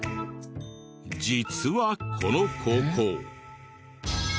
実はこの高校。